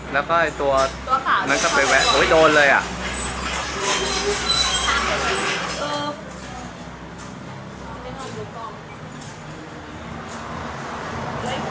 แล้วก็ไอตัวนั้นก็ไปแวะโอ้ยโดนเลยอ่ะ